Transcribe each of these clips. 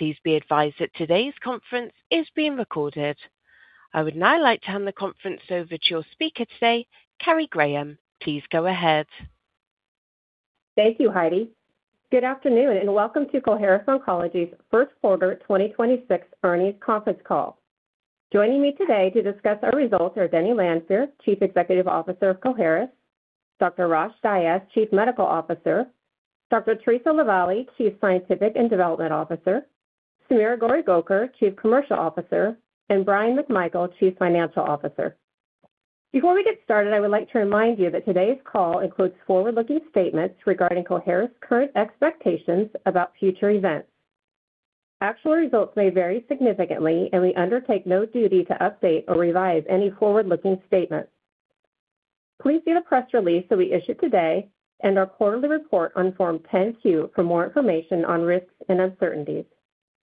Please be advised that today's conference is being recorded. I would now like to hand the conference over to your speaker today, Carrie Graham. Please go ahead. Thank you, Heidi. Good afternoon, and welcome to Coherus Oncology's first quarter 2026 earnings conference call. Joining me today to discuss our results are Denny Lanfear, Chief Executive Officer of Coherus; Dr. Rosh Dias, Chief Medical Officer; Dr. Theresa LaVallee, Chief Scientific and Development Officer; Sameer Goregaoker, Chief Commercial Officer; and Bryan McMichael, Chief Financial Officer. Before we get started, I would like to remind you that today's call includes forward-looking statements regarding Coherus' current expectations about future events. Actual results may vary significantly, and we undertake no duty to update or revise any forward-looking statements. Please see the press release that we issued today and our quarterly report on Form 10-Q for more information on risks and uncertainties.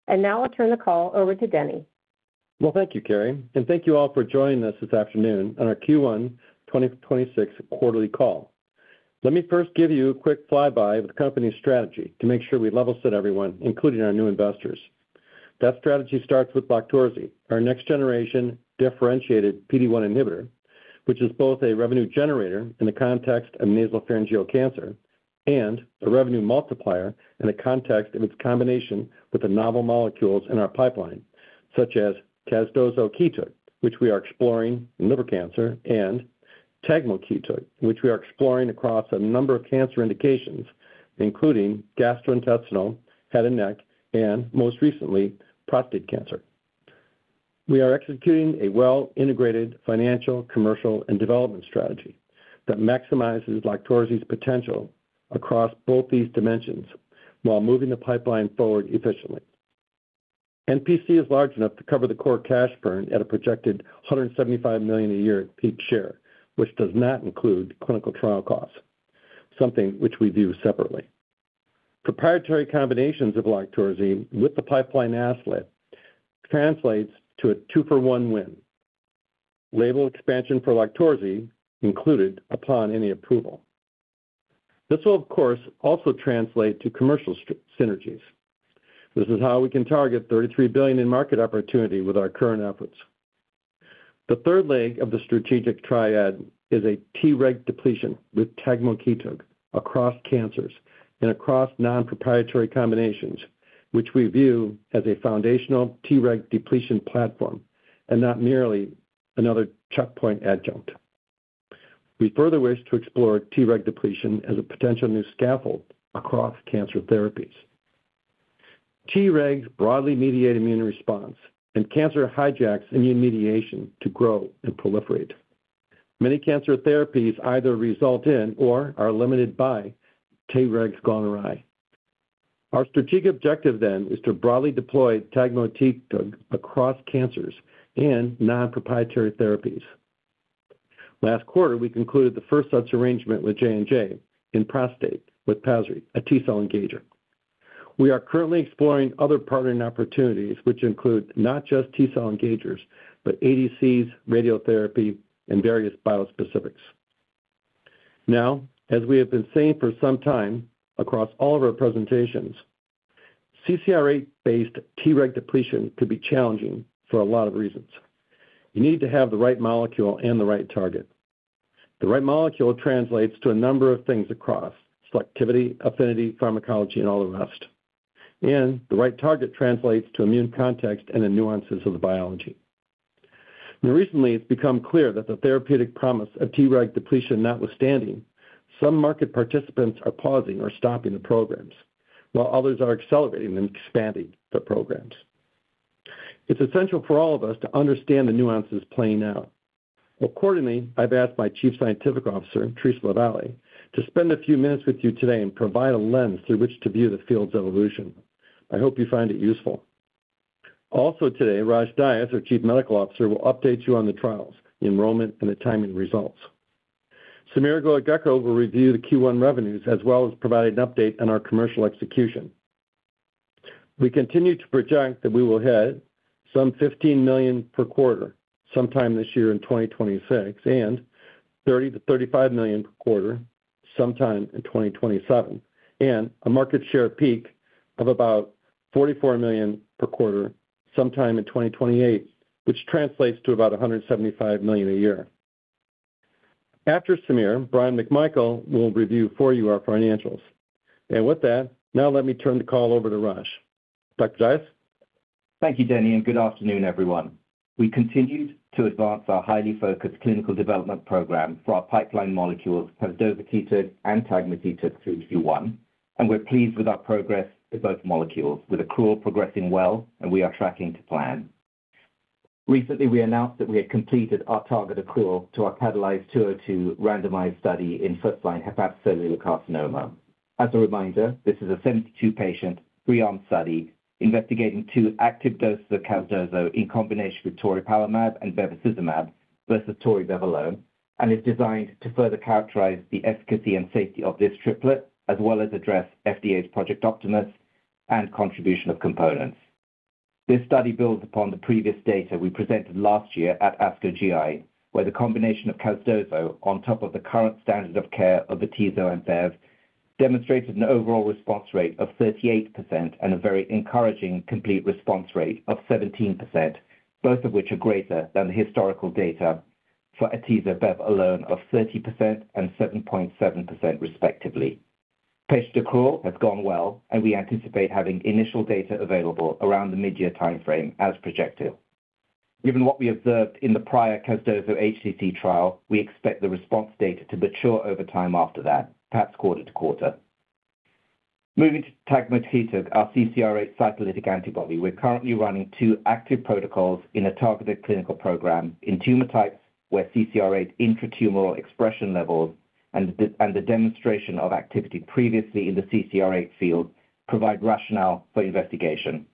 Now I'll turn the call over to Denny. Well, thank you, Carrie, and thank you all for joining us this afternoon on our Q1 2026 quarterly call. Let me first give you a quick flyby of the company's strategy to make sure we level set everyone, including our new investors. That strategy starts with LOQTORZI, our next-generation differentiated PD-1 inhibitor, which is both a revenue generator in the context of nasopharyngeal cancer and a revenue multiplier in the context of its combination with the novel molecules in our pipeline, such as casdozokitug, which we are exploring in liver cancer, and tagmokitug, which we are exploring across a number of cancer indications, including gastrointestinal, head and neck, and most recently, prostate cancer. We are executing a well-integrated financial, commercial, and development strategy that maximizes LOQTORZI's potential across both these dimensions while moving the pipeline forward efficiently. NPC is large enough to cover the core cash burn at a projected $175 million a year peak share, which does not include clinical trial costs, something which we view separately. Proprietary combinations of LOQTORZI with the pipeline asset translates to a 2-for-1 win. Label expansion for LOQTORZI included upon any approval. This will, of course, also translate to commercial synergies. This is how we can target $33 billion in market opportunity with our current efforts. The third leg of the strategic triad is a Treg depletion with tagmokitug across cancers and across non-proprietary combinations, which we view as a foundational Treg depletion platform and not merely another checkpoint adjunct. We further wish to explore Treg depletion as a potential new scaffold across cancer therapies. Tregs broadly mediate immune response, and cancer hijacks immune mediation to grow and proliferate. Many cancer therapies either result in or are limited by Treg gone awry. Our strategic objective is to broadly deploy tagmokitug across cancers and non-proprietary therapies. Last quarter, we concluded the first such arrangement with J&J in prostate with pasritamig, a T-cell engager. We are currently exploring other partnering opportunities, which include not just T-cell engagers, but ADCs, radiotherapy, and various bispecifics. As we have been saying for some time across all of our presentations, CCR8-based Treg depletion could be challenging for a lot of reasons. You need to have the right molecule and the right target. The right molecule translates to a number of things across selectivity, affinity, pharmacology, and all the rest. The right target translates to immune context and the nuances of the biology. More recently, it's become clear that the therapeutic promise of Treg depletion notwithstanding, some market participants are pausing or stopping the programs while others are accelerating and expanding the programs. It's essential for all of us to understand the nuances playing out. Accordingly, I've asked my Chief Scientific Officer, Theresa LaVallee, to spend a few minutes with you today and provide a lens through which to view the field's evolution. I hope you find it useful. Also today, Rosh Dias, our Chief Medical Officer, will update you on the trials, enrollment, and the timing results. Sameer Goregaoker will review the Q1 revenues, as well as provide an update on our commercial execution. We continue to project that we will hit some $15 million per quarter sometime this year in 2026 and $30 million-$35 million per quarter sometime in 2027, and a market share peak of about $44 million per quarter sometime in 2028, which translates to about $175 million a year. After Sameer, Bryan McMichael will review for you our financials. With that, now let me turn the call over to Rosh. Dr. Dias? Thank you, Denny, and good afternoon, everyone. We continued to advance our highly focused clinical development program for our pipeline molecules pazovocitab and tagmokitug through Q1, and we're pleased with our progress with both molecules, with accrual progressing well, and we are tracking to plan. Recently, we announced that we had completed our target accrual to our CATALYST-202 randomized study in first-line hepatocellular carcinoma. As a reminder, this is a 72-patient rearm study investigating two active doses of casdozokitug in combination with toripalimab and bevacizumab versus toribevalimab, and is designed to further characterize the efficacy and safety of this triplet, as well as address FDA's Project Optimus and contribution of component. This study builds upon the previous data we presented last year at ASCO GI, where the combination of casdozokitug on top of the current standard of care of atezo and bev demonstrated an overall response rate of 38% and a very encouraging complete response rate of 17%, both of which are greater than the historical data for atezo/bev alone of 30% and 7.7% respectively. Patient accrual has gone well, and we anticipate having initial data available around the mid-year timeframe as projected. Given what we observed in the prior CADILYZE-202 HCC trial, we expect the response data to mature over time after that, perhaps quarter to quarter. Moving to tagmokitug, our CCR8 cytolytic antibody, we're currently running two active protocols in a targeted clinical program in tumor types where CCR8 intratumoral expression levels and the demonstration of activity previously in the CCR8 field provide rationale for investigation.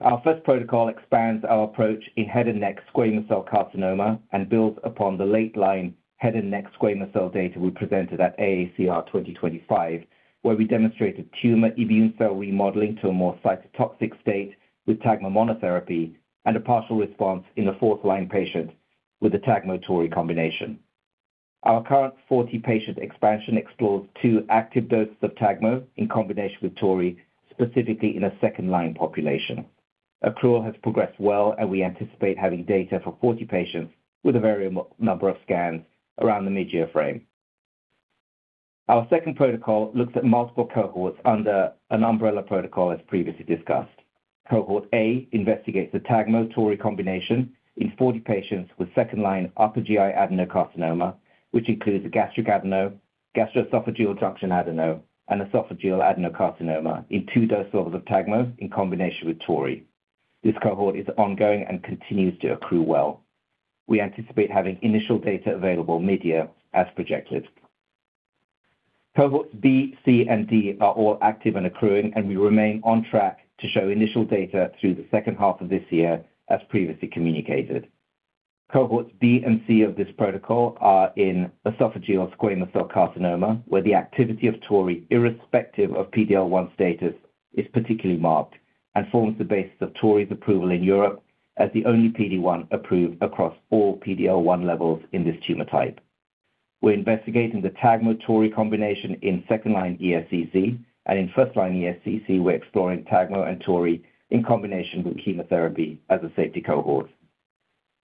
Our first protocol expands our approach in head and neck squamous cell carcinoma and builds upon the late line head and neck squamous cell data we presented at AACR 2025, where we demonstrated tumor immune cell remodeling to a more cytotoxic state with tagmo monotherapy and a partial response in the fourth line patient with the tagmo/tori combination. Our current 40-patient expansion explores two active doses of tagmo in combination with tori, specifically in a second-line population. Accrual has progressed well, and we anticipate having data for 40 patients with a varying number of scans around the mid-year frame. Our second protocol looks at multiple cohorts under an umbrella protocol as previously discussed. Cohort A investigates the tagmo/tori combination in 40 patients with second-line upper GI adenocarcinoma, which includes gastric adeno, gastroesophageal junction adeno, and esophageal adenocarcinoma in two dose levels of tagmo in combination with tori. This cohort is ongoing and continues to accrue well. We anticipate having initial data available mid-year as projected. Cohorts B, C, and D are all active and accruing, and we remain on track to show initial data through the second half of this year, as previously communicated. Cohorts B and C of this protocol are in esophageal squamous cell carcinoma, where the activity of toripalimab irrespective of PD-L1 status is particularly marked and forms the basis of toripalimab's approval in Europe as the only PD-1 approved across all PD-L1 levels in this tumor type. We're investigating the tagmokitug/toripalimab combination in second-line ESCC, and in first-line ESCC, we're exploring tagmokitug and toripalimab in combination with chemotherapy as a safety cohort.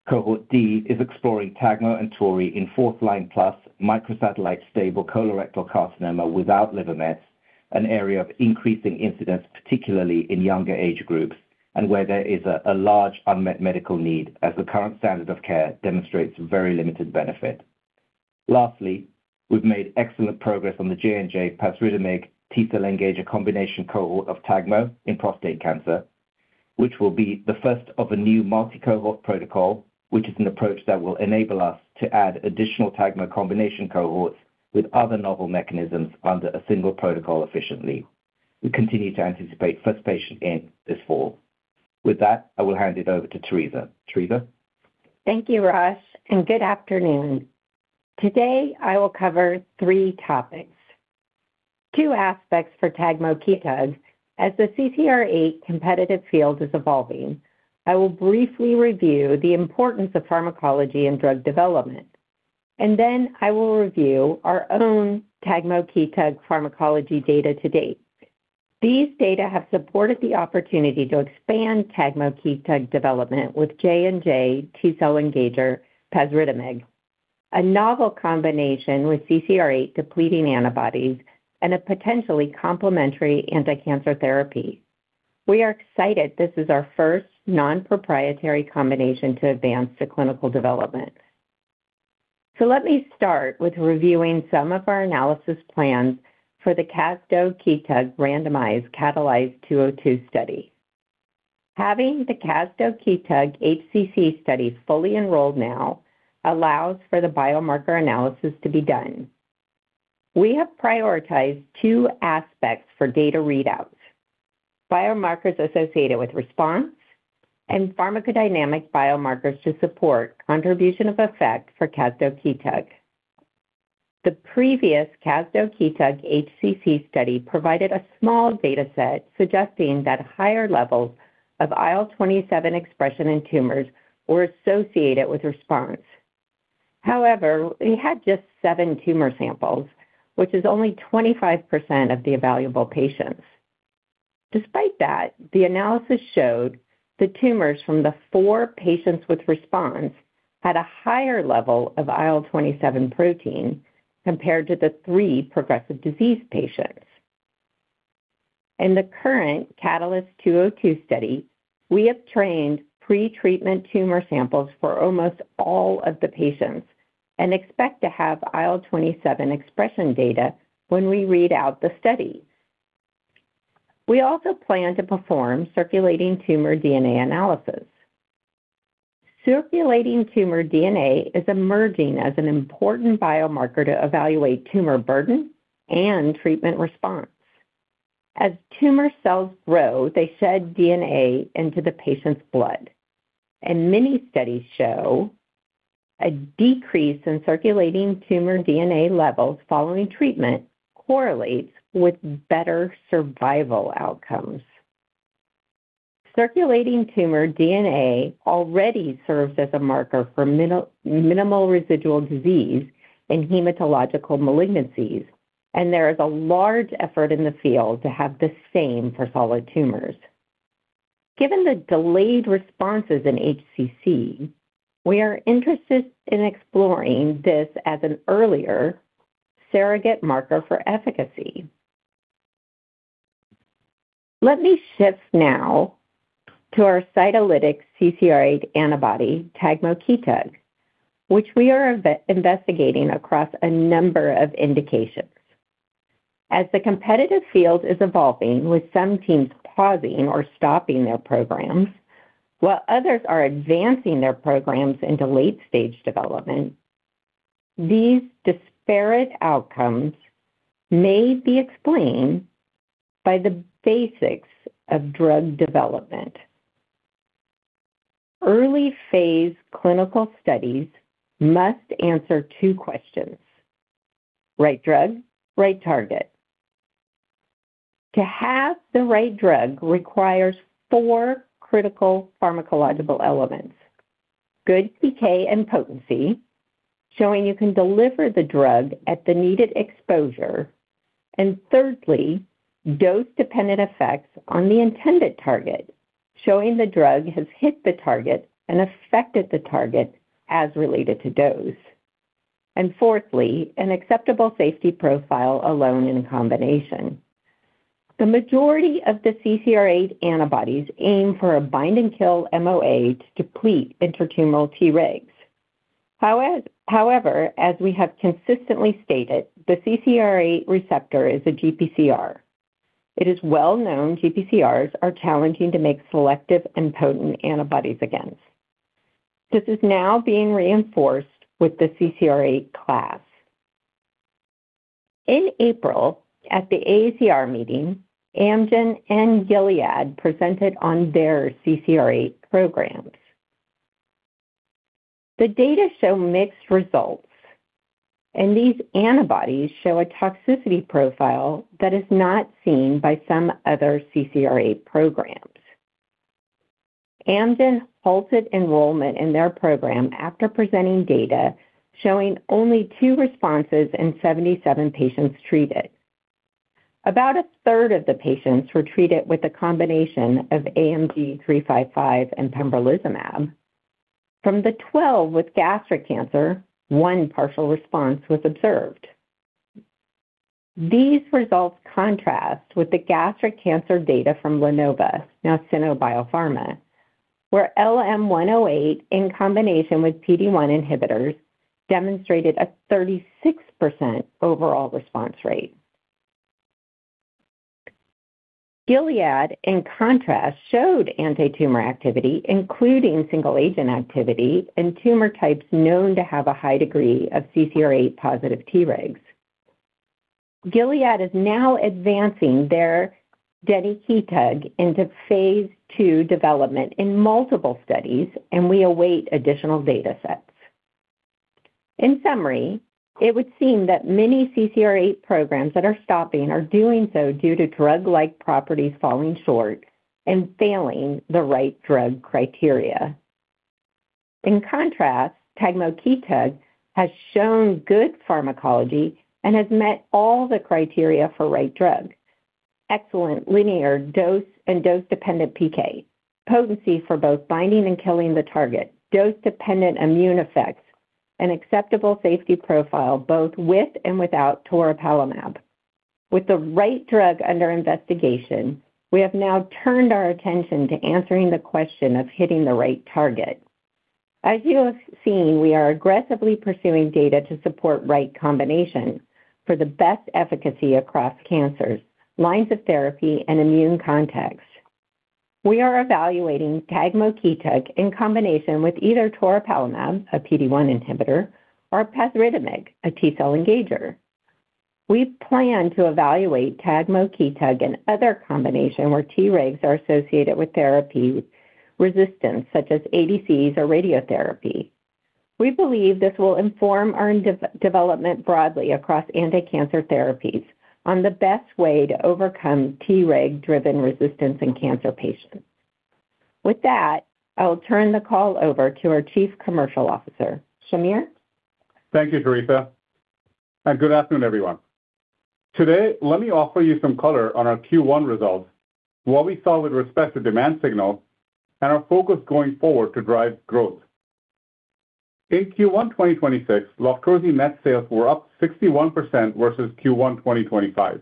Cohort D is exploring tagmokitug and toripalimab in fourth line plus microsatellite stable colorectal carcinoma without liver mets, an area of increasing incidence, particularly in younger age groups, and where there is a large unmet medical need as the current standard of care demonstrates very limited benefit. Lastly, we've made excellent progress on the J&J pasritamig T-cell engager combination cohort of tagmo in prostate cancer, which will be the first of a new multi-cohort protocol, which is an approach that will enable us to add additional tagmo combination cohorts with other novel mechanisms under a single protocol efficiently. We continue to anticipate first patient in this fall. With that, I will hand it over to Theresa. Theresa? Thank you, Rosh Dias, good afternoon. Today, I will cover three topics. Two aspects for tagmokitug. As the CCR8 competitive field is evolving, I will briefly review the importance of pharmacology in drug development, and then I will review our own tagmokitug pharmacology data to date. These data have supported the opportunity to expand tagmokitug development with J&J T-cell engager pasritamig, a novel combination with CCR8-depleting antibodies and a potentially complementary anticancer therapy. We are excited this is our first non-proprietary combination to advance to clinical development. Let me start with reviewing some of our analysis plans for the casdozokitug randomized CATALYST-202 study. Having the casdozokitug HCC study fully enrolled now allows for the biomarker analysis to be done. We have prioritized two aspects for data readouts, biomarkers associated with response and pharmacodynamic biomarkers to support contribution of effect for casdozokitug. The previous casdozokitug HCC study provided a small data set suggesting that higher levels of IL-27 expression in tumors were associated with response. We had just seven tumor samples, which is only 25% of the evaluable patients. Despite that, the analysis showed the tumors from the four patients with response had a higher level of IL-27 protein compared to the three progressive disease patients. In the current CATALYST-202 study, we obtained pretreatment tumor samples for almost all of the patients and expect to have IL-27 expression data when we read out the study. We also plan to perform circulating tumor DNA analysis. Circulating tumor DNA is emerging as an important biomarker to evaluate tumor burden and treatment response. As tumor cells grow, they shed DNA into the patient's blood, and many studies show a decrease in circulating tumor DNA levels following treatment correlates with better survival outcomes. Circulating tumor DNA already serves as a marker for minimal residual disease in hematological malignancies, and there is a large effort in the field to have the same for solid tumors. Given the delayed responses in HCC, we are interested in exploring this as an earlier surrogate marker for efficacy. Let me shift now to our cytolytic CCR8 antibody, tagmokitug, which we are investigating across a number of indications. As the competitive field is evolving, with some teams pausing or stopping their programs, while others are advancing their programs into late-stage development, these disparate outcomes may be explained by the basics of drug development. Early-phase clinical studies must answer two questions. Right drug, right target. To have the right drug requires four critical pharmacological elements. Good PK and potency, showing you can deliver the drug at the needed exposure, thirdly, dose-dependent effects on the intended target, showing the drug has hit the target and affected the target as related to dose. Fourthly, an acceptable safety profile alone in combination. The majority of the CCR8 antibodies aim for a bind and kill MOA to deplete intratumoral Tregs. However, as we have consistently stated, the CCR8 receptor is a GPCR. It is well-known GPCRs are challenging to make selective and potent antibodies against. This is now being reinforced with the CCR8 class. In April, at the AACR meeting, Amgen and Gilead presented on their CCR8 programs. The data show mixed results, these antibodies show a toxicity profile that is not seen by some other CCR8 programs. Amgen halted enrollment in their program after presenting data showing only two responses in 77 patients treated. About a third of the patients were treated with a combination of AMG 355 and pembrolizumab. From the 12 with gastric cancer, 1 partial response was observed. These results contrast with the gastric cancer data from LaNova Medicines, now Sino Biopharmaceutical, where LM-108 in combination with PD-1 inhibitors demonstrated a 36% overall response rate. Gilead, in contrast, showed antitumor activity, including single-agent activity in tumor types known to have a high degree of CCR8-positive Tregs. Gilead is now advancing their Denoskitug into phase II development in multiple studies, and we await additional datasets. In summary, it would seem that many CCR8 programs that are stopping are doing so due to drug-like properties falling short and failing the right drug criteria. In contrast, tagmokitug has shown good pharmacology and has met all the criteria for right drug. Excellent linear dose and dose-dependent PK, potency for both binding and killing the target, dose-dependent immune effects, and acceptable safety profile both with and without toripalimab. With the right drug under investigation, we have now turned our attention to answering the question of hitting the right target. As you have seen, we are aggressively pursuing data to support right combination for the best efficacy across cancers, lines of therapy, and immune context. We are evaluating tagmokitug in combination with either toripalimab, a PD-1 inhibitor, or pasritamig, a T-cell engager. We plan to evaluate tagmokitug in other combination where Tregs are associated with therapy resistance, such as ADCs or radiotherapy. We believe this will inform our inde-development broadly across anticancer therapies on the best way to overcome Treg-driven resistance in cancer patients. With that, I will turn the call over to our Chief Commercial Officer, Sameer Goregaoker. Thank you, Theresa, and good afternoon, everyone. Today, let me offer you some color on our Q1 results, what we saw with respect to demand signal, and our focus going forward to drive growth. In Q1 2026, LOQTORZI net sales were up 61% versus Q1 2025.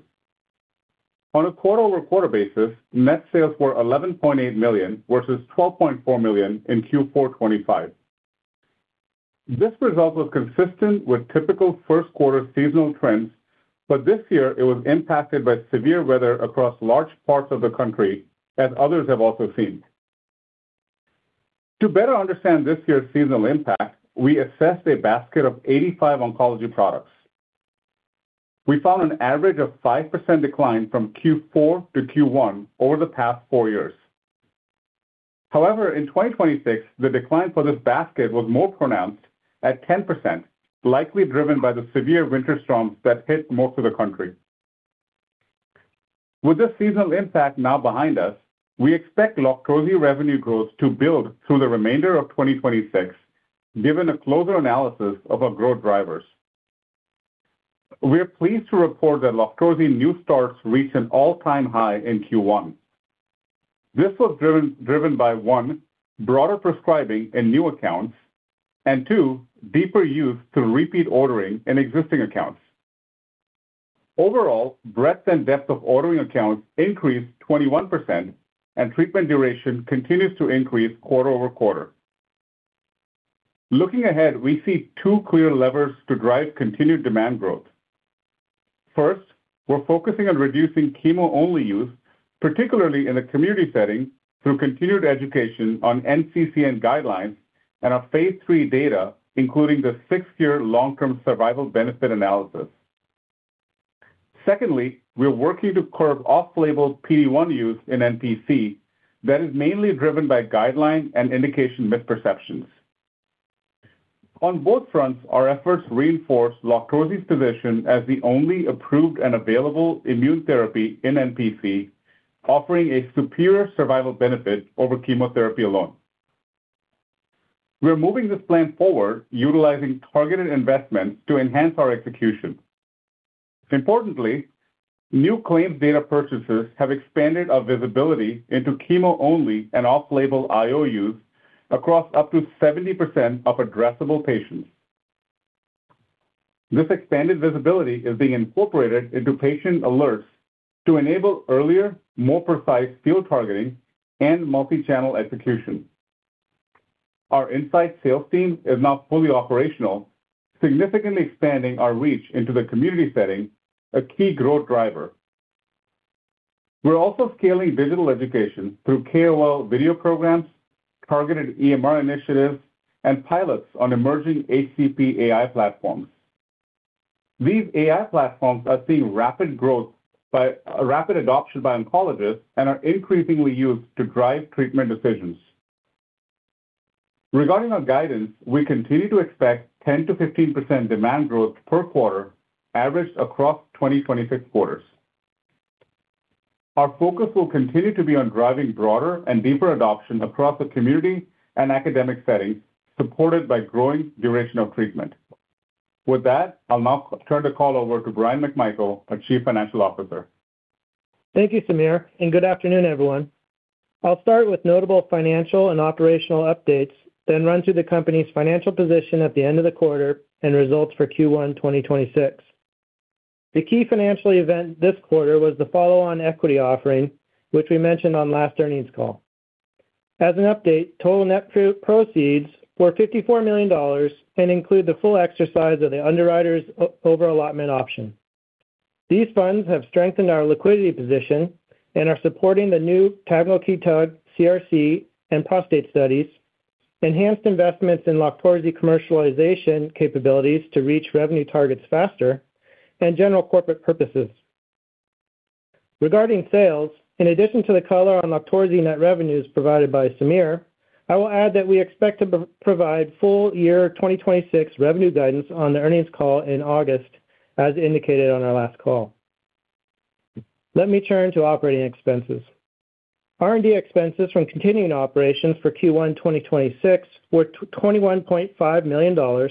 On a quarter-over-quarter basis, net sales were $11.8 million versus $12.4 million in Q4 2025. This result was consistent with typical 1st quarter seasonal trends, but this year it was impacted by severe weather across large parts of the country, as others have also seen. To better understand this year's seasonal impact, we assessed a basket of 85 oncology products. We found an average of 5% decline from Q4 to Q1 over the past four years. However, in 2026, the decline for this basket was more pronounced at 10%, likely driven by the severe winter storms that hit most of the country. With this seasonal impact now behind us, we expect LOQTORZI revenue growth to build through the remainder of 2026, given a closer analysis of our growth drivers. We are pleased to report that LOQTORZI new starts reached an all-time high in Q1. This was driven by, one, broader prescribing in new accounts, and two, deeper use through repeat ordering in existing accounts. Overall, breadth and depth of ordering accounts increased 21%, and treatment duration continues to increase quarter-over-quarter. Looking ahead, we see two clear levers to drive continued demand growth. We're focusing on reducing chemo-only use, particularly in the community setting, through continued education on NCCN guidelines and our phase III data, including the six year long-term survival benefit analysis. We're working to curb off-label PD-1 use in NPC that is mainly driven by guideline and indication misperceptions. On both fronts, our efforts reinforce LOQTORZI's position as the only approved and available immune therapy in NPC, offering a superior survival benefit over chemotherapy alone. We're moving this plan forward utilizing targeted investments to enhance our execution. Importantly, new claims data purchases have expanded our visibility into chemo-only and off-label IO use across up to 70% of addressable patients. This expanded visibility is being incorporated into patient alerts to enable earlier, more precise field targeting and multi-channel execution. Our inside sales team is now fully operational, significantly expanding our reach into the community setting, a key growth driver. We're also scaling digital education through KOL video programs, targeted EMR initiatives, and pilots on emerging HCP AI platforms. These AI platforms are seeing rapid growth by rapid adoption by oncologists and are increasingly used to drive treatment decisions. Regarding our guidance, we continue to expect 10%-15% demand growth per quarter averaged across 2026 quarters. Our focus will continue to be on driving broader and deeper adoption across the community and academic settings, supported by growing durational treatment. With that, I'll now turn the call over to Bryan McMichael, our Chief Financial Officer. Thank you, Sameer, and good afternoon, everyone. I'll start with notable financial and operational updates, then run through the company's financial position at the end of the quarter and results for Q1 2026. The key financial event this quarter was the follow-on equity offering, which we mentioned on last earnings call. As an update, total net proceeds were $54 million and include the full exercise of the underwriter's over-allotment option. These funds have strengthened our liquidity position and are supporting the new cabrolitug CRC and prostate studies, enhanced investments in LOQTORZI commercialization capabilities to reach revenue targets faster, and general corporate purposes. Regarding sales, in addition to the color on LOQTORZI net revenues provided by Sameer, I will add that we expect to provide full year 2026 revenue guidance on the earnings call in August, as indicated on our last call. Let me turn to operating expenses. R&D expenses from continuing operations for Q1 2026 were $21.5 million,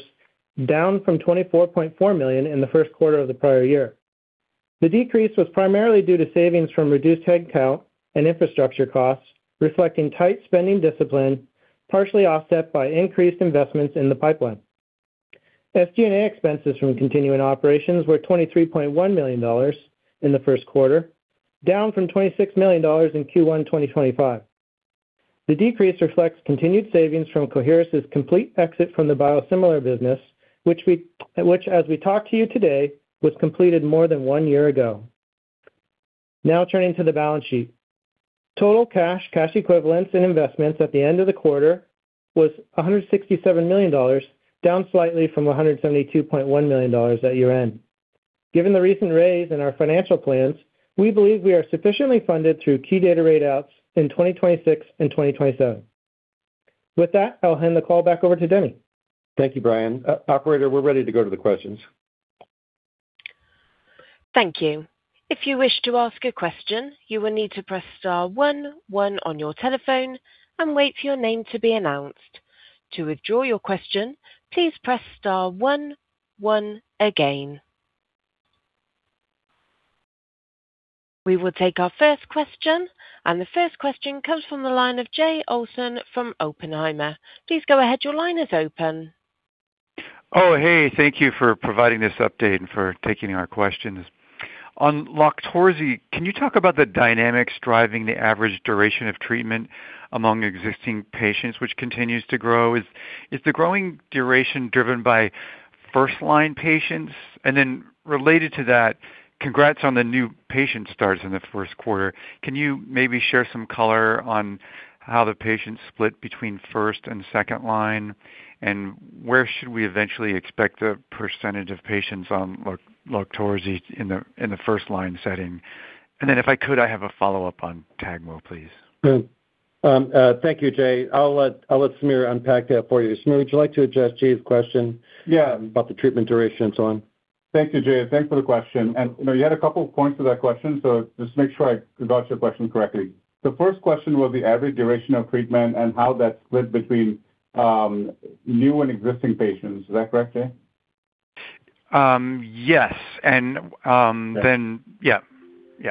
down from $24.4 million in the first quarter of the prior year. The decrease was primarily due to savings from reduced headcount and infrastructure costs, reflecting tight spending discipline, partially offset by increased investments in the pipeline. SG&A expenses from continuing operations were $23.1 million in the first quarter, down from $26 million in Q1 2025. The decrease reflects continued savings from Coherus' complete exit from the biosimilar business, which as we talked to you today, was completed more than 1 year ago. Turning to the balance sheet. Total cash equivalents, and investments at the end of the quarter was $167 million, down slightly from $172.1 million at year-end. Given the recent raise in our financial plans, we believe we are sufficiently funded through key data readouts in 2026 and 2027. With that, I'll hand the call back over to Denny. Thank you, Bryan. Operator, we're ready to go to the questions. Thank you, If you wish to ask a question you will need to press star one one on your telephone and wait for your name to be announced. To withdraw your question, please press star one one again. We will take our first question. The first question comes from the line of Jay Olson from Oppenheimer. Please go ahead. Your line is open. Oh, hey, thank you for providing this update and for taking our questions. On LOQTORZI, can you talk about the dynamics driving the average duration of treatment among existing patients, which continues to grow? Is the growing duration driven by 1st-line patients? Related to that-Congrats on the new patient starts in the 1st quarter. Can you maybe share some color on how the patients split between 1st and 2nd line? Where should we eventually expect the percentage of patients on LOQTORZI in the 1st-line setting? If I could, I have a follow-up on TAGMO, please. Good. Thank you, Jay. I'll let Sameer unpack that for you. Sameer, would you like to address Jay's question? Yeah About the treatment duration and so on? Thank you, Jay. Thanks for the question. You know, you had a couple points to that question, so just make sure I got your question correctly. The first question was the average duration of treatment and how that split between new and existing patients. Is that correct, Jay? Yes. Yeah. Yeah.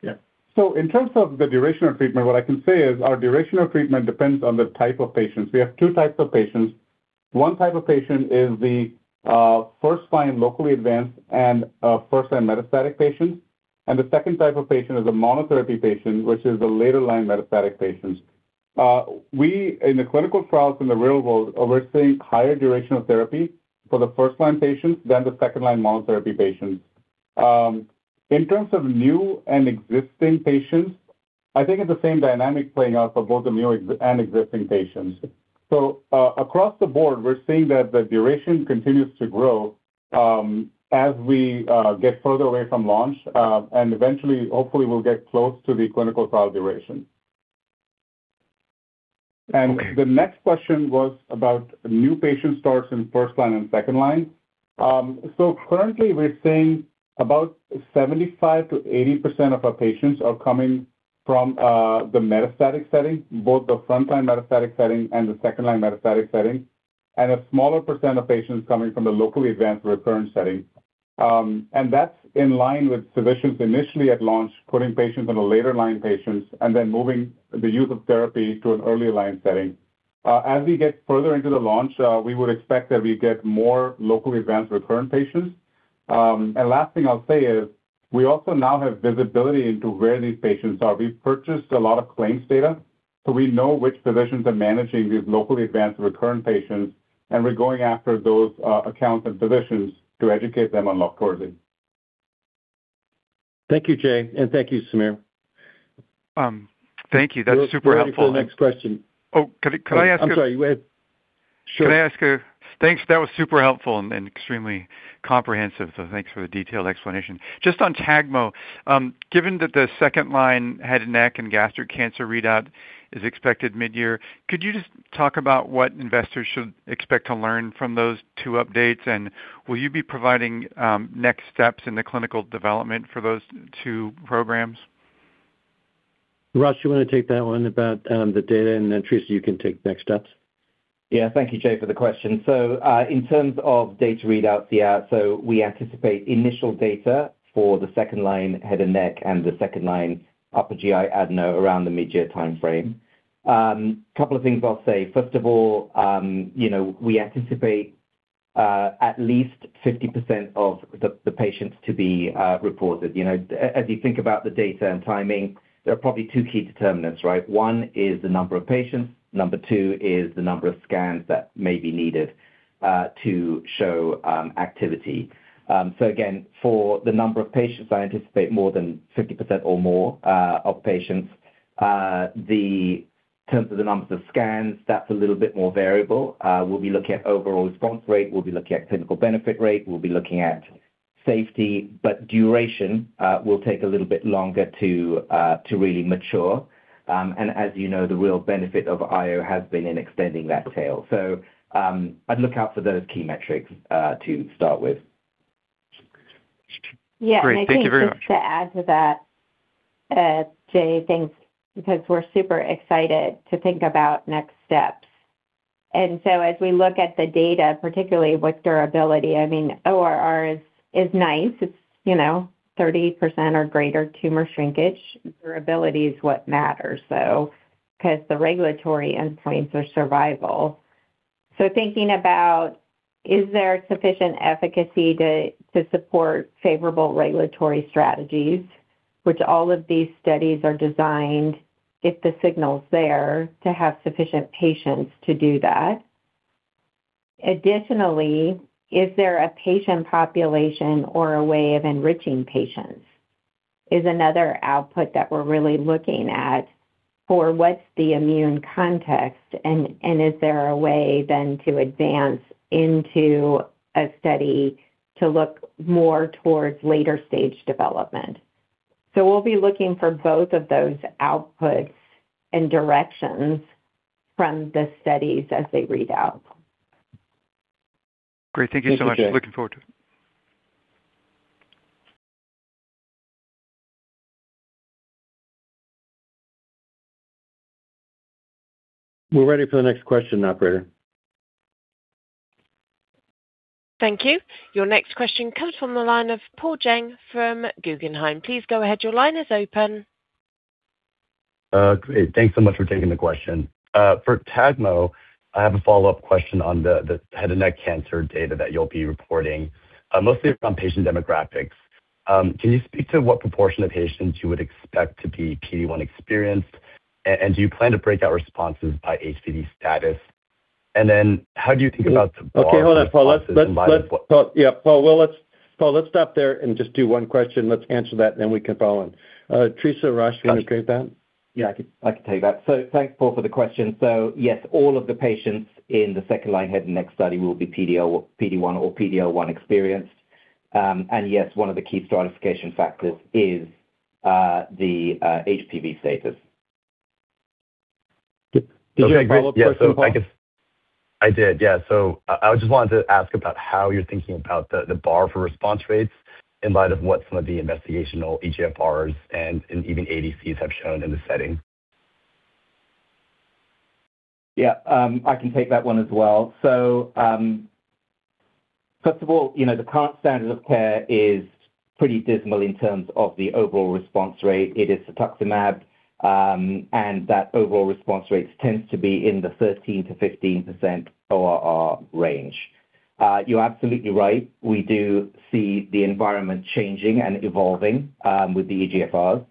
Yeah. In terms of the duration of treatment, what I can say is our duration of treatment depends on the type of patients. We have two types of patients. One type of patient is the first-line locally advanced and first-line metastatic patients. The 2nd type of patient is a monotherapy patient, which is the later-line metastatic patients. In the clinical trials in the real world, we're seeing higher duration of therapy for the first-line patients than the second-line monotherapy patients. In terms of new and existing patients, I think it's the same dynamic playing out for both the new and existing patients. Across the board, we're seeing that the duration continues to grow, as we get further away from launch, and eventually, hopefully, we'll get close to the clinical trial duration. Okay. The next question was about new patient starts in first line and second line. Currently we're seeing about 75%-80% of our patients are coming from the metastatic setting, both the front-line metastatic setting and the second-line metastatic setting, and a smaller % of patients coming from the locally advanced recurrent setting. That's in line with physicians initially at launch, putting patients on a later line patients and then moving the use of therapy to an earlier line setting. As we get further into the launch, we would expect that we get more locally advanced recurrent patients. Last thing I'll say is we also now have visibility into where these patients are. We've purchased a lot of claims data, so we know which physicians are managing these locally advanced recurrent patients, and we're going after those accounts and physicians to educate them on LOQTORZI. Thank you, Jay, and thank you, Sameer. Thank you. That's super helpful. We're ready for the next question. Oh, could I ask? I'm sorry. Go ahead. Sure. Thanks. That was super helpful and extremely comprehensive, so thanks for the detailed explanation. Just on TAGMO, given that the second line head and neck and gastric cancer readout is expected midyear, could you just talk about what investors should expect to learn from those two updates? Will you be providing, next steps in the clinical development for those two programs? Rosh Dias, you wanna take that one about the data, and then, Theresa LaVallee, you can take next steps. Yeah. Thank you, Jay, for the question. In terms of data readouts, yeah, we anticipate initial data for the 2nd line head and neck and the 2nd line upper GI adeno around the mid-year timeframe. Couple of things I'll say. First of all, you know, we anticipate at least 50% of the patients to be reported. You know, as you think about the data and timing, there are probably two key determinants, right? One is the number of patients. Number two is the number of scans that may be needed to show activity. Again, for the number of patients, I anticipate more than 50% or more of patients. In terms of the numbers of scans, that's a little bit more variable. We'll be looking at overall response rate. We'll be looking at clinical benefit rate. We'll be looking at safety, but duration will take a little bit longer to really mature. As you know, the real benefit of IO has been in extending that tail. I'd look out for those key metrics to start with. Great. Thank you very much. Yeah. I think just to add to that, Jay, thanks, because we're super excited to think about next steps. As we look at the data, particularly with durability, I mean, ORR is nice. It's, you know, 30% or greater tumor shrinkage. Durability is what matters, though, 'cause the regulatory endpoints are survival. Thinking about, is there sufficient efficacy to support favorable regulatory strategies, which all of these studies are designed, if the signal's there, to have sufficient patients to do that. Additionally, is there a patient population or a way of enriching patients, is another output that we're really looking at for what's the immune context, and is there a way then to advance into a study to look more towards later stage development. We'll be looking for both of those outputs and directions from the studies as they read out. Great. Thank you so much. Thank you, Jay. Looking forward to it. We're ready for the next question, operator. Thank you. Your next question comes from the line of Paul Choi from Guggenheim. Please go ahead. Your line is open. Great. Thanks so much for taking the question. For TAGMO, I have a follow-up question on the head and neck cancer data that you'll be reporting, mostly around patient demographics. Can you speak to what proportion of patients you would expect to be PD-1 experienced? Do you plan to break out responses by HPV status? Then how do you think about the bar for response? Okay, hold on, Paul. Let's Paul, yeah, Paul, well, Paul, let's stop there and just do one question. Let's answer that, then we can follow on. Theresa, Rosh Dias, can you take that? Yeah, I can take that. Thanks, Paul, for the question. Yes, all of the patients in the second line head and neck study will be PD-1 or PD-L1 experienced. Yes, one of the key stratification factors is the HPV status. Did you have a follow-up question, Paul? I did, yeah. I just wanted to ask about how you're thinking about the bar for response rates in light of what some of the investigational EGFRs and even ADCs have shown in the setting. Yeah. I can take that one as well. First of all, you know, the current standard of care is pretty dismal in terms of the overall response rate. It is cetuximab, and that overall response rates tends to be in the 13%-15% ORR range. You're absolutely right. We do see the environment changing and evolving with the EGFRs.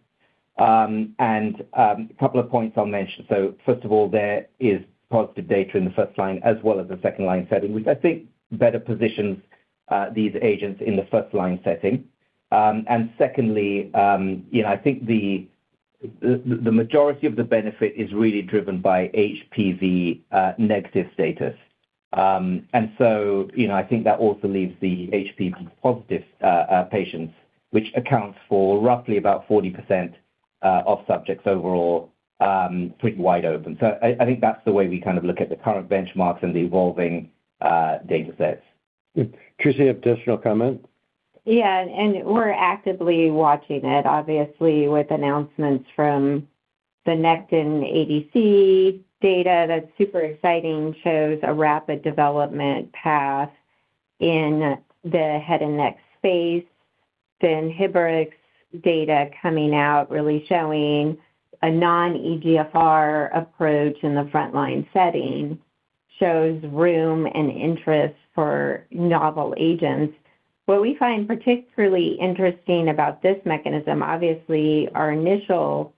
A couple of points I'll mention. First of all, there is positive data in the first line as well as the second line setting, which I think better positions these agents in the first line setting. Secondly, you know, I think the majority of the benefit is really driven by HPV negative status. You know, I think that also leaves the HPV-positive patients, which accounts for roughly about 40% of subjects overall, pretty wide open. I think that's the way we kind of look at the current benchmarks and the evolving datasets. Theresa, additional comment? We're actively watching it, obviously, with announcements from the Nectin-4 ADC data that's super exciting, shows a rapid development path in the head and neck space. Hibrix data coming out really showing a non-EGFR approach in the frontline setting shows room and interest for novel agents. What we find particularly interesting about this mechanism, obviously our initial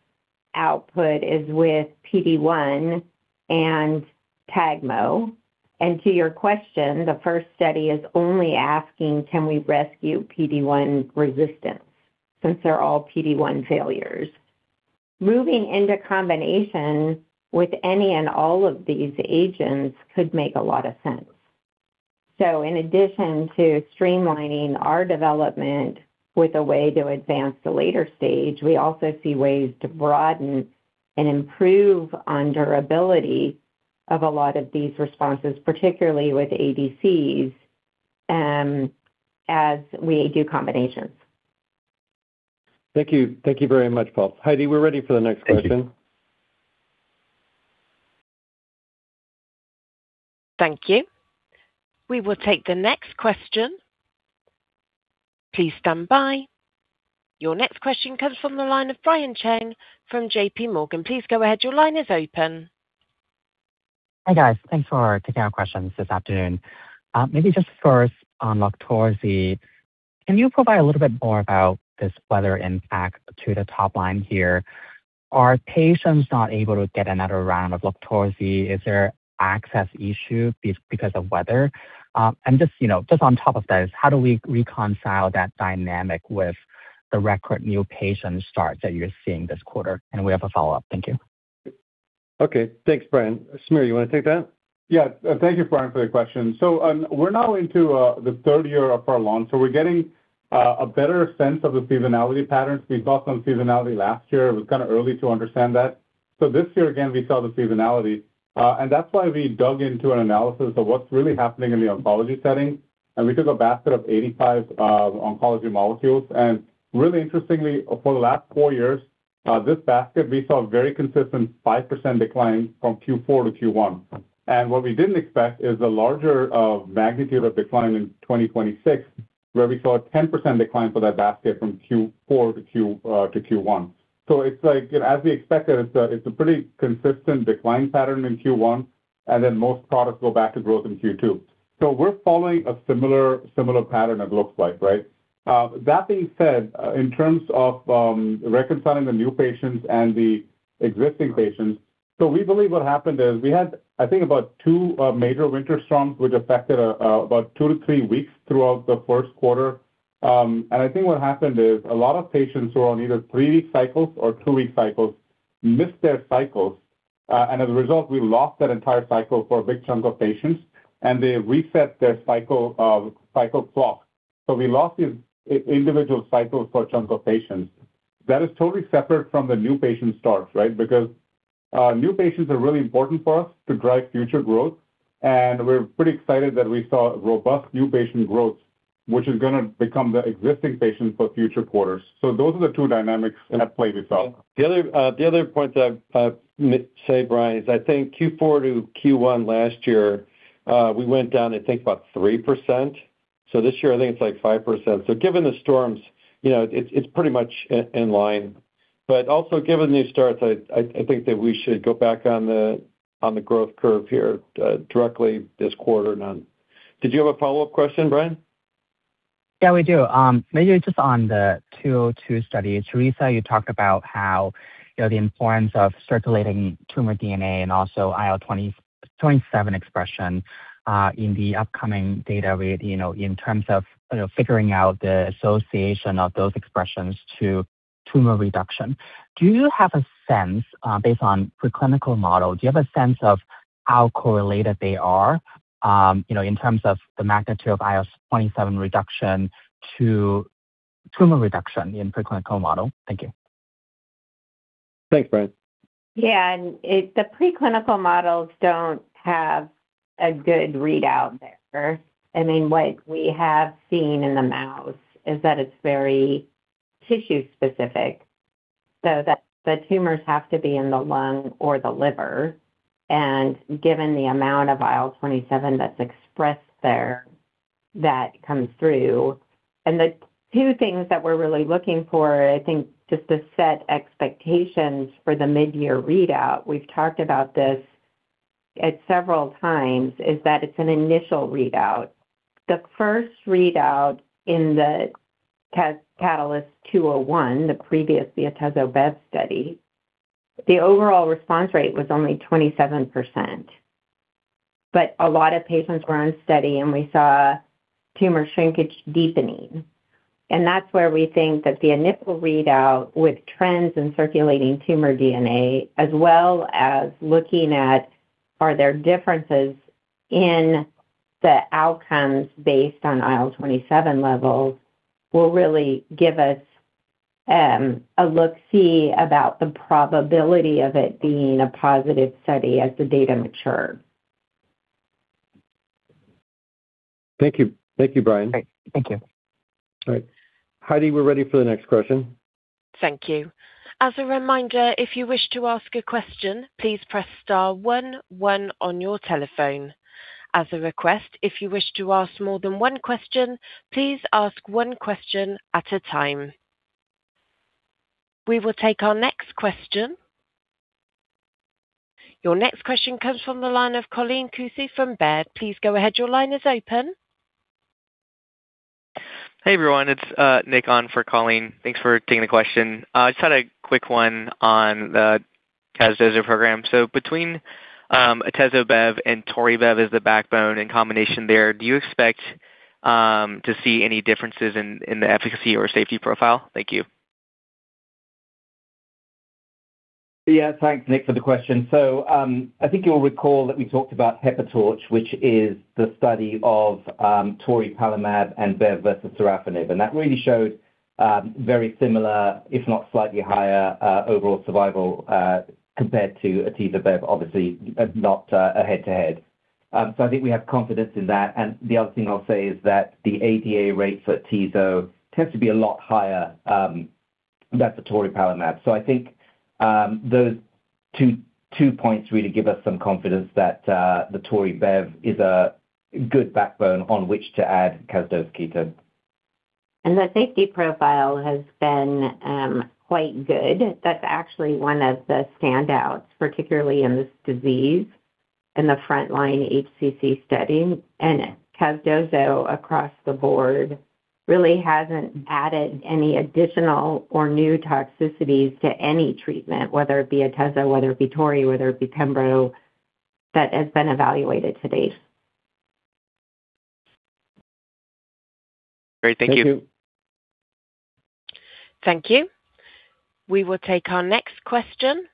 output is with PD-1 and Tagmo. To your question, the first study is only asking, "Can we rescue PD-1 resistance?" since they're all PD-1 failures. Moving into combination with any and all of these agents could make a lot of sense. In addition to streamlining our development with a way to advance to later stage, we also see ways to broaden and improve on durability of a lot of these responses, particularly with ADCs, as we do combinations. Thank you. Thank you very much, Paul. Heidi, we're ready for the next question. Thank you. Thank you. We will take the next question. Please stand by. Your next question comes from the line of Brian Cheng from JPMorgan. Please go ahead. Your line is open. Hi, guys. Thanks for taking our questions this afternoon. Maybe just first on LOQTORZI. Can you provide a little bit more about this weather impact to the top line here? Are patients not able to get another round of LOQTORZI? Is there access issue because of weather? Just, you know, just on top of this, how do we reconcile that dynamic with the record new patient starts that you're seeing this quarter? We have a follow-up. Thank you. Okay. Thanks, Brian. Sameer, you wanna take that? Thank you, Brian, for the question. We're now into the third year of our launch, so we're getting a better sense of the seasonality patterns. We saw some seasonality last year. It was kinda early to understand that. This year again, we saw the seasonality, and that's why we dug into an analysis of what's really happening in the oncology setting. We took a basket of 85 oncology molecules. Really interestingly, for the last four years, this basket, we saw a very consistent 5% decline from Q-four to Q-one. What we didn't expect is a larger magnitude of decline in 2026, where we saw a 10% decline for that basket from Q-four to Q-one. It's like, as we expected, it's a pretty consistent decline pattern in Q-one, most products go back to growth in Q-two. We're following a similar pattern it looks like, right? That being said, in terms of reconciling the new patients and the existing patients, we believe what happened is we had, I think about two major winter storms which affected about two to three weeks throughout the first quarter. I think what happened is a lot of patients who are on either three-week cycles or two-week cycles missed their cycles. As a result, we lost that entire cycle for big chunks of patients, and they reset their cycle clock. We lost these individual cycles for chunks of patients. That is totally separate from the new patient starts, right? New patients are really important for us to drive future growth, and we're pretty excited that we saw robust new patient growth, which is gonna become the existing patients for future quarters. Those are the two dynamics that played itself. The other, the other point I say, Brian McMichael, is I think Q4 to Q1 last year, we went down I think about 3%. This year I think it's like 5%. Given the storms, you know, it's pretty much in line. Also given these starts, I think that we should go back on the growth curve here directly this Quarter now. Did you have a follow-up question, Brian McMichael? Yeah, we do. Maybe just on the CADILYZE 202 study. Theresa LaVallee, you talked about how, you know, the importance of circulating tumor DNA and also IL-27 expression in the upcoming data read, you know, in terms of, you know, figuring out the association of those expressions to tumor reduction. Do you have a sense, based on preclinical model, do you have a sense of how correlated they are, you know, in terms of the magnitude of IL-27 reduction to tumor reduction in preclinical model? Thank you. Thanks, Brian. Yeah. It, the preclinical models don't have a good readout there. I mean, what we have seen in the mouse is that it's very tissue specific, so that the tumors have to be in the lung or the liver. Given the amount of IL-27 that's expressed there, that comes through. The two things that we're really looking for, I think, just to set expectations for the mid-year readout, we've talked about this at several times, is that it's an initial readout. The first readout in the CAS CATALYST-201, the previous atezo/bev study, the overall response rate was only 27%. A lot of patients were on study, and we saw tumor shrinkage deepening. That's where we think that the initial readout with trends in circulating tumor DNA, as well as looking at are there differences in the outcomes based on IL-27 levels, will really give us a look-see about the probability of it being a positive study as the data mature. Thank you. Thank you, Brian. Great. Thank you. All right. Heidi, we're ready for the next question. Thank you. As a reminder, if you wish to ask a question, please press star one one on your telephone. As a request, if you wish to ask more than one question, please ask one question at a time. We will take our next question. Your next question comes from the line of Colleen Kusy from Baird. Please go ahead. Your line is open. Hey, everyone, it's Nick on for Colleen. Thanks for taking the question. Just had a quick one on the Casdozo program. Between AtezoBev and ToriBev as the backbone in combination there, do you expect to see any differences in the efficacy or safety profile? Thank you. Yeah. Thanks, Nick, for the question. I think you'll recall that we talked about HEPATORCH, which is the study of toripalimab and bevacizumab versus sorafenib. That really showed very similar, if not slightly higher, overall survival compared to AtezoBev, obviously not a head-to-head. I think we have confidence in that. The other thing I'll say is that the ADA rates for tezo tends to be a lot higher than the toripalimab. I think those two points really give us some confidence that the ToriBev is a good backbone on which to add casdozokitug. The safety profile has been quite good. That's actually one of the standouts, particularly in this disease in the frontline HCC study. casdozo, across the board, really hasn't added any additional or new toxicities to any treatment, whether it be atezolizumab, whether it be toripalimab, whether it be pembrolizumab, that has been evaluated to date. Great. Thank you. Thank you. Thank you. We will take our next question.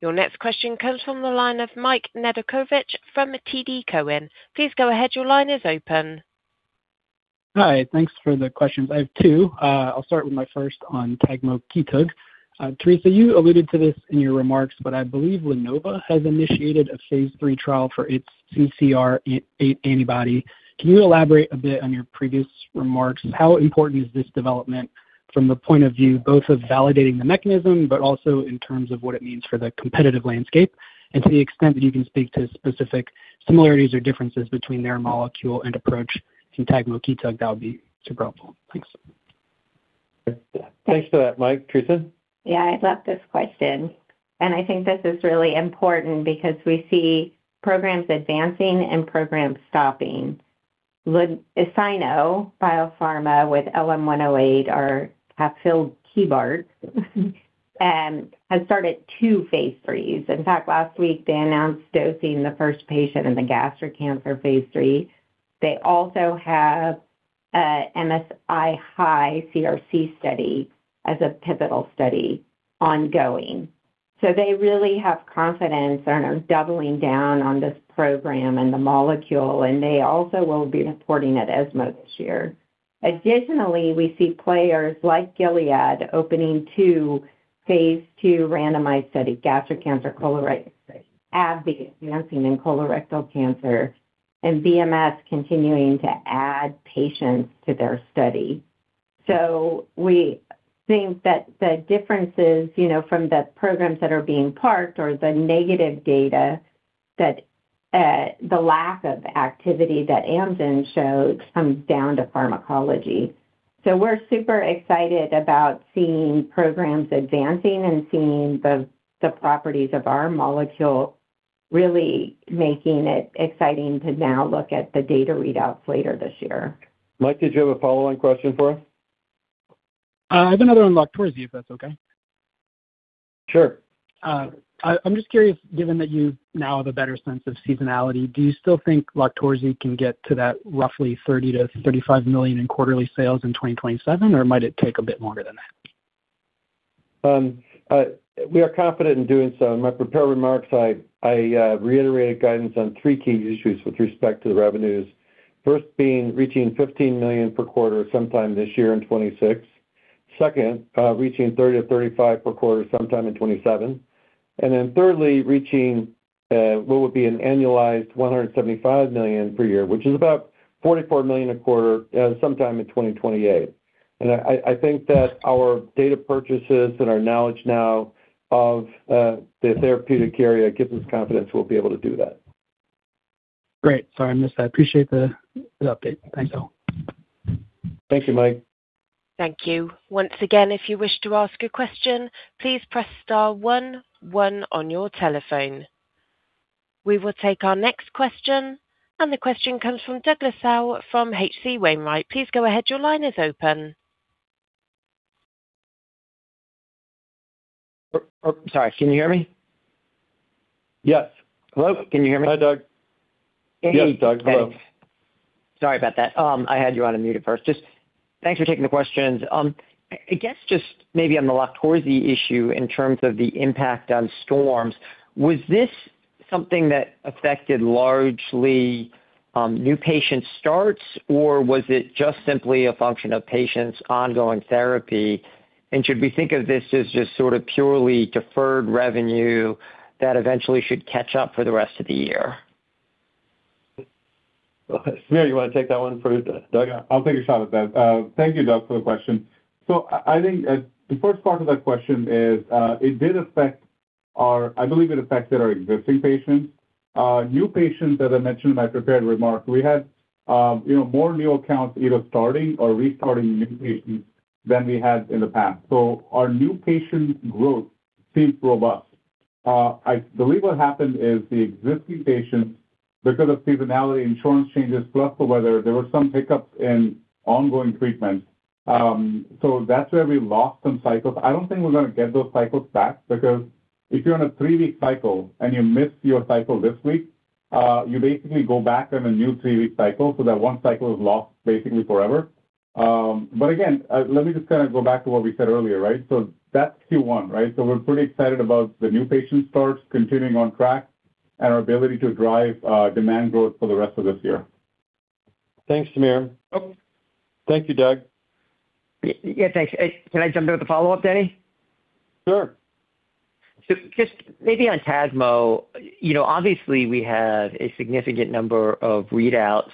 Your next question comes from the line of Michael Nedelcovych from TD Cowen. Please go ahead. Your line is open. Hi. Thanks for the questions. I have two. I'll start with my first on tagmokitug. Theresa, you alluded to this in your remarks, but I believe LaNova Medicines has initiated a phase III trial for its CCR8 antibody. Can you elaborate a bit on your previous remarks? How important is this development from the point of view both of validating the mechanism but also in terms of what it means for the competitive landscape? To the extent that you can speak to specific similarities or differences between their molecule and approach to tagmokitug, that would be super helpful. Thanks. Thanks for that, Mike. Theresa? I love this question, and I think this is really important because we see programs advancing and programs stopping. Sino Biopharmaceutical with LM-108 cafelkibart and have started two phase IIIs. In fact, last week they announced dosing the first patient in the gastric cancer phase III. They also have a MSI-H CRC study as a pivotal study ongoing. They really have confidence and are doubling down on this program and the molecule, and they also will be reporting at ESMO this year. Additionally, we see players like Gilead opening two phase II randomized study, gastric cancer, colorectal cancer. AbbVie advancing in colorectal cancer, and Bristol Myers Squibb continuing to add patients to their study. We think that the differences, you know, from the programs that are being parked or the negative data that, the lack of activity that Amgen showed comes down to pharmacology. We're super excited about seeing programs advancing and seeing the properties of our molecule really making it exciting to now look at the data readouts later this year. Mike, did you have a follow-on question for us? I have another on LOQTORZI, if that's okay. Sure. I'm just curious, given that you now have a better sense of seasonality, do you still think LOQTORZI can get to that roughly $30 million-$35 million in quarterly sales in 2027, or might it take a bit longer than that? We are confident in doing so. In my prepared remarks, I reiterated guidance on three key issues with respect to the revenues. First, being reaching $15 million per quarter sometime this year in 2026. Second, reaching $30 million-$35 million per quarter sometime in 2027. Thirdly, reaching what would be an annualized $175 million per year, which is about $44 million a quarter, sometime in 2028. I think that our data purchases and our knowledge now of the therapeutic area gives us confidence we'll be able to do that. Great. Sorry I missed that. I appreciate the update. Thanks all. Thank you, Mike. Thank you. Once again, if you wish to ask a question, please press star one one on your telephone. We will take our next question. The question comes from Douglas Tsao from H.C. Wainwright. Please go ahead. Your line is open. Oh, sorry. Can you hear me? Yes. Hello? Can you hear me? Hi, Doug. Yes, Doug. Hello. Sorry about that. I had you on unmute at first. Just thanks for taking the questions. I guess just maybe on the LOQTORZI issue in terms of the impact on storms, was this something that affected largely new patient starts, or was it just simply a function of patients' ongoing therapy? Should we think of this as just sort of purely deferred revenue that eventually should catch up for the rest of the year? Sameer, you wanna take that one first, Doug? I'll take a shot at that. Thank you, Doug, for the question. I think, the first part of that question is, I believe it affected our existing patients. New patients that I mentioned in my prepared remarks, we had, you know, more new accounts either starting or restarting new patients than we had in the past. Our new patient growth seems robust. I believe what happened is the existing patients, because of seasonality insurance changes plus the weather, there were some hiccups in ongoing treatment. That's where we lost some cycles. I don't think we're gonna get those cycles back because if you're on a three week cycle and you miss your cycle this week, you basically go back on a new three week cycle, so that one cycle is lost basically forever. Again, let me just kinda go back to what we said earlier, right? That's Q1, right? We're pretty excited about the new patient starts continuing on track and our ability to drive demand growth for the rest of this year. Thanks, Sameer. Yep. Thank you, Doug. Yeah, thanks. Can I jump in with a follow-up, Denny? Sure. Just maybe on TASMO, you know, obviously we have a significant number of readouts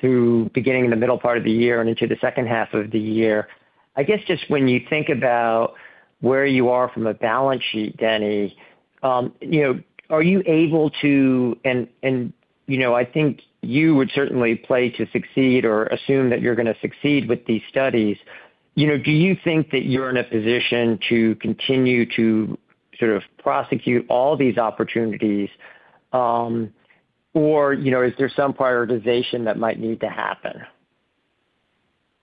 through beginning in the middle part of the year and into the second half of the year. I guess just when you think about where you are from a balance sheet, Denny, you know, are you able to And, you know, I think you would certainly play to succeed or assume that you're gonna succeed with these studies. You know, do you think that you're in a position to continue to sort of prosecute all these opportunities? You know, is there some prioritization that might need to happen?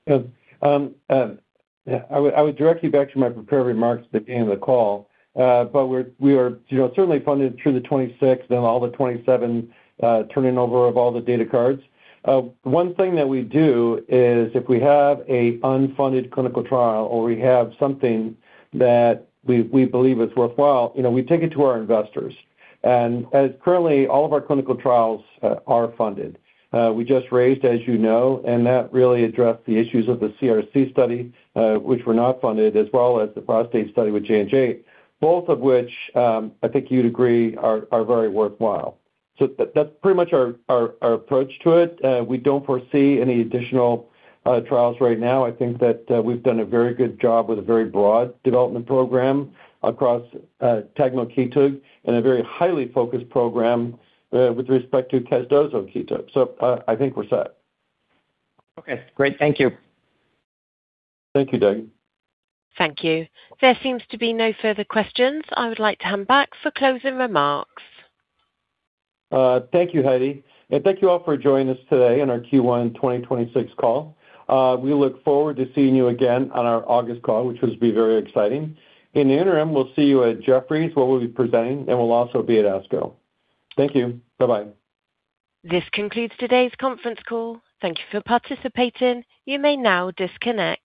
Yeah. I would direct you back to my prepared remarks at the beginning of the call. We are, you know, certainly funded through 2026 then all the 2027, turning over of all the data cards. One thing that we do is if we have a unfunded clinical trial or we have something that we believe is worthwhile, you know, we take it to our investors. As currently all of our clinical trials are funded. We just raised, as you know, that really addressed the issues with the CRC study, which were not funded, as well as the prostate study with Johnson & Johnson. Both of which, I think you'd agree are very worthwhile. That's pretty much our approach to it. We don't foresee any additional trials right now. I think that we've done a very good job with a very broad development program across tagmokitug and a very highly focused program with respect to toripalimab. I think we're set. Okay, great. Thank you. Thank you, Doug. Thank you. There seems to be no further questions. I would like to hand back for closing remarks. Thank you, Heidi. Thank you all for joining us today on our Q1 2026 call. We look forward to seeing you again on our August call, which will be very exciting. In the interim, we'll see you at Jefferies, where we'll be presenting, and we'll also be at ASCO. Thank you. Bye-bye. This concludes today's conference call. Thank you for participating. You may now disconnect.